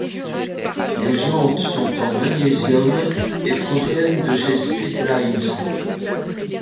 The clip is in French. Les jantes sont en magnésium et proviennent de chez Speedlines.